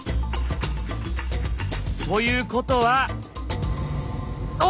ということは。